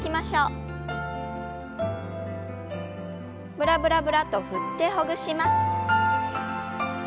ブラブラブラッと振ってほぐします。